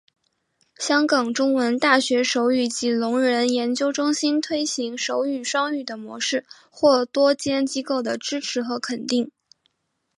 香港中文大学手语及聋人研究中心推行手语双语的模式获多间机构的支持和肯定。